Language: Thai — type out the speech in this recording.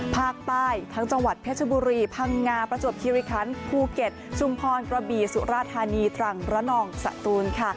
ภาคใต้ทั้งจังหวัดเพชรบุรีพังงาประจวบคิริคันภูเก็ตชุมพรกระบี่สุราธานีตรังระนองสตูน